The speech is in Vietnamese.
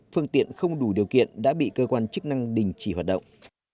phương tiện không đủ điều kiện đã bị cơ quan chức năng đình chỉ hoạt động